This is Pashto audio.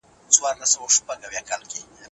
افغان نارینه د بهرنیو اقتصادي مرستو پوره حق نه لري.